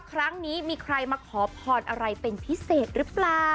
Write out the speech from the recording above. ครั้งนี้มีใครมาขอพรอะไรเป็นพิเศษหรือเปล่า